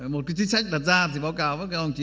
một cái chính sách đặt ra thì báo cáo với các ông chí